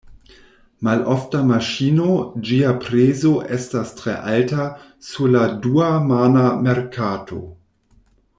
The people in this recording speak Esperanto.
Malofta maŝino, ĝia prezo estas tre alta sur la dua-mana merkato.